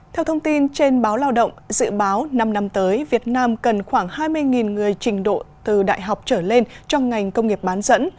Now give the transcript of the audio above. theo thông tin trên báo lao động dự báo năm năm tới việt nam cần khoảng hai mươi người trình độ từ đại học trở lên trong ngành công nghiệp bán dẫn